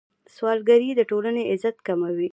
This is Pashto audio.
سوالګري د ټولنې عزت کموي.